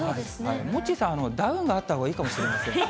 モッチーさんはダウンがあったほうがいいかもしれません。